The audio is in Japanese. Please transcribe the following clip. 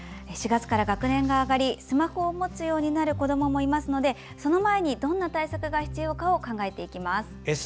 ４月から学年が上がりスマホを持つようになる子どももいますのでその前にどんな対策が必要かを考えていきます。